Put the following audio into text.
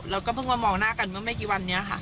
แล้วก็เพิ่งมามองหน้ากันเมื่อไม่กี่วันนี้ค่ะ